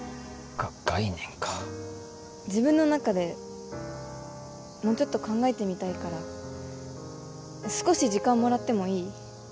が概念か自分の中でもうちょっと考えてみたいから少し時間もらってもいい？